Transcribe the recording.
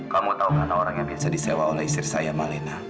kamu tau kan orang yang biasa disewa oleh sir saya malena